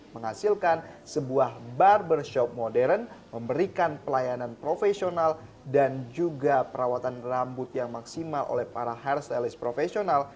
menghasilkan sebuah barbershop modern memberikan pelayanan profesional dan juga perawatan rambut yang maksimal oleh para hairstylist profesional